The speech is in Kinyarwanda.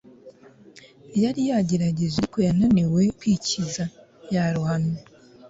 yari yagerageje ariko yananiwe kwikiza. yarohamye